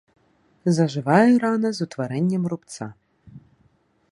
Зажывае рана з утварэннем рубца.